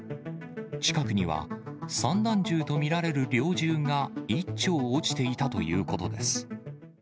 近くには、散弾銃と見られる猟銃が１丁落ちていたということです。